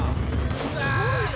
うわ！